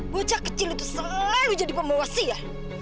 bocak kecil itu selalu jadi pemohon si ya